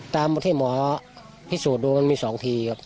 ตามที่หมอพิสูจน์ดูมันมี๒ทีครับ